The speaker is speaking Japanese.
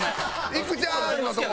「いくちゃん！」のとこ。